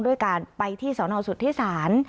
ด้วยการไปที่สวรรค์สุทธิสาร